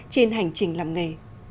trên hành trình làm nghề